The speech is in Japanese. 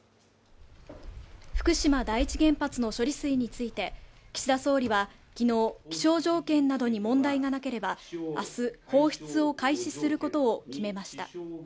福島第一原発の処理水について岸田総理は昨日気象条件などに問題がなければあす放出を開始することを決めました